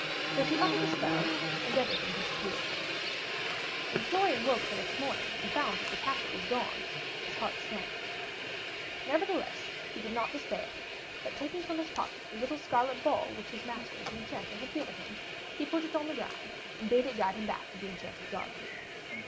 So she uttered a spell, and everything disappeared. When Florian woke the next morning, and found that the castle was gone, his heart sank. Nevertheless, he did not despair, but taking from his pocket the little scarlet ball which his master the Enchanter had given him, he put it on the ground, and bade it guide him back to the Enchanted Garden.